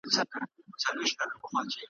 په تور یې د پردۍ میني نیولی جهاني یم ,